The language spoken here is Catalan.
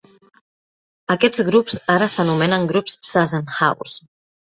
Aquests grups ara s'anomenen grups Zassenhaus.